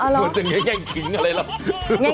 รวมจะแง่งขิงอะไรล่ะ